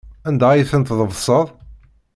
Anda ay tent-tḍefseḍ?